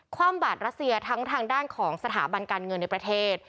ความบาดรัสเซียทั้งทางด้านของสถาบันการเงินในประเทศ